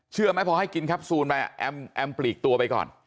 เชื่อไหมพอให้กินแคปซูลไปแอมปลีกตัวไปก่อน